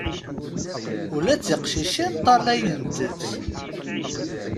Ula d tiqcicin ṭṭalayent-tt.